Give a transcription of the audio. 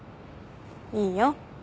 いいよ。